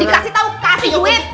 dikasih tau kasih duit